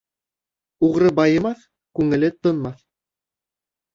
Уғры байымаҫ, күңеле тынмаҫ.